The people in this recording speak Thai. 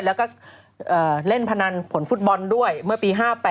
แล้วก็เล่นพนันผลฟุตบอลด้วยเมื่อปี๕๘